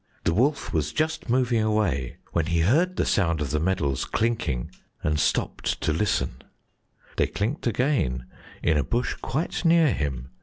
The wolf was just moving away when he heard the sound of the medals clinking and stopped to listen; they clinked again in a bush quite near him.